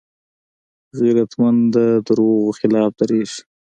غیرتمند د دروغو خلاف دریږي